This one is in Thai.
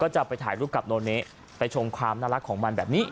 จะไปถ่ายรูปกับโนเนไปชมความน่ารักของมันแบบนี้